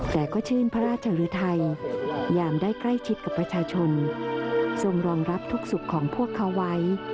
แต่ก็ชื่นพระราชหรือไทยยามได้ใกล้ชิดกับประชาชนทรงรองรับทุกสุขของพวกเขาไว้